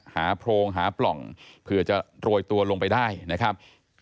โพรงหาปล่องเผื่อจะโรยตัวลงไปได้นะครับ